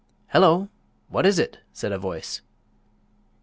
"Hello! What is it?" said a voice.